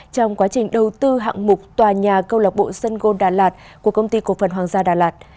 trong quá trình đầu tư hạng mục tòa nhà câu lạc bộ sân gôn đà lạt của công ty cổ phần hoàng gia đà lạt